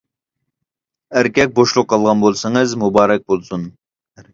ئەركەك بوشلۇق ئالغان بولسىڭىز، مۇبارەك بولسۇن!